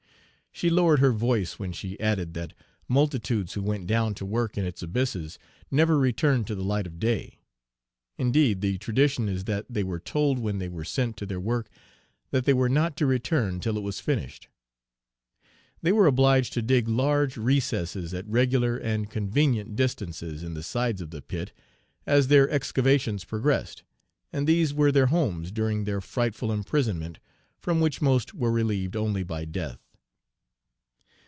She lowered her voice when she added that multitudes who went down to work in its abysses never returned to the light of day. Indeed, the tradition is that they were told when they were sent to their work that they were not to return till it was finished. They were obliged to dig large recesses at regular and convenient distances in the sides of the pit, as their excavations progressed, and these were their homes during their frightful imprisonment, from which most were relieved only by death.